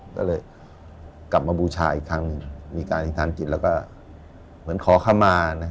ก็เลยกลับมาบูชาอีกครั้งหนึ่งมีการทานกิจแล้วก็เหมือนขอเข้ามา